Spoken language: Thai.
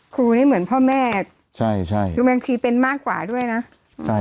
ครูนี่เหมือนพ่อแม่บางทีเป็นมากกว่าด้วยนะ